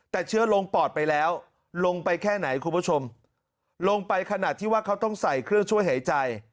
แต่เชื้อลงปอดไปแล้วลงไปแค่ไหนคุณผู้ชมลงไปขนาดที่ว่าเขาต้องใส่เครื่องช่วยหายใจ